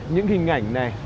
những hình ảnh